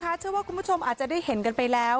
เชื่อว่าคุณผู้ชมอาจจะได้เห็นกันไปแล้ว